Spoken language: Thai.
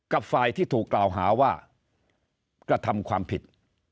กับฝ่ายที่ถูกกล่าวหาว่ากระทำความผิด